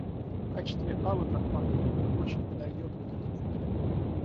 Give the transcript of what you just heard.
В качестве авы, как по мне, очень подойдёт вот эта фотка.